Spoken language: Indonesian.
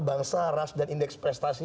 bangsa ras dan indeks prestasi